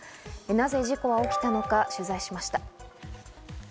なぜ事故は起きたのか取材しました。